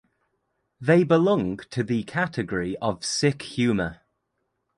They belong to the category of sick humor.